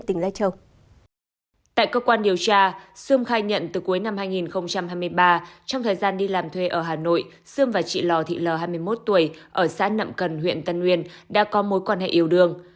tại cơ quan điều tra sươm khai nhận từ cuối năm hai nghìn hai mươi ba trong thời gian đi làm thuê ở hà nội sươm và chị lò thị lờ hai mươi một tuổi ở xã nậm cần huyện tân nguyên đã có mối quan hệ yếu đương